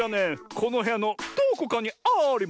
このへやのどこかにあります。